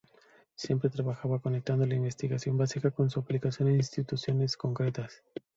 Siempre trabaja conectando la investigación básica con su aplicación en situaciones concretas.